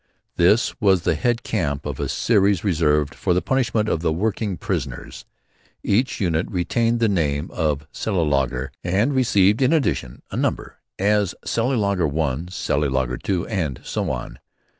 This was the head camp of a series reserved for the punishment or the working of prisoners. Each unit retained the name of Cellelaager and received in addition a number, as Cellelaager 1, Cellelaager 2 and so on.